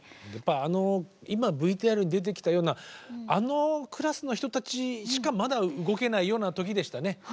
やっぱりあの今ＶＴＲに出てきたようなあのクラスの人たちしかまだ動けないような時でしたね。